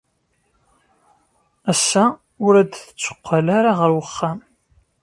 Ass-a, ur d-tetteqqal ara ɣer uxxam.